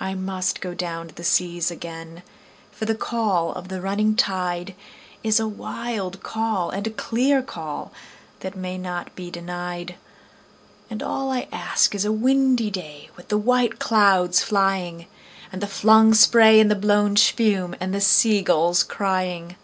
I must down go to the seas again, for the call of the running tide Is a wild call and a clear call that may not be denied; And all I ask is a windy day with the white clouds flying, And the flung spray and the blown spume, and the sea gulls crying.